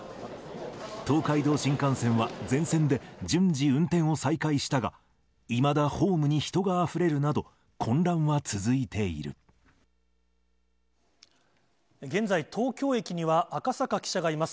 東海道新幹線は、全線で順次、運転を再開したが、いまだホームに人があふれるなど、現在、東京駅には赤坂記者がいます。